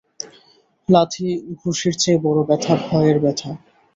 লাথি ঘুষির চেয়ে বড়ো ব্যথা ভয়ের ব্যথা!